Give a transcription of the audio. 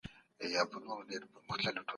دلایل باید پر منطق او استدلال ولاړ وي.